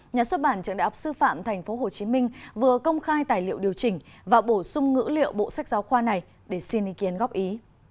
nhà xuất bản trưởng đại học sư phạm tp hcm vừa công khai tài liệu điều chỉnh và bổ sung ngữ liệu bộ sách giáo khoa này để xin ý kiến góp ý